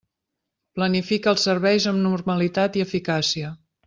Planifica els serveis amb normalitat i eficàcia.